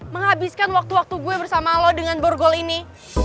menghabiskan waktu waktu gue bersama lo dengan borgol ini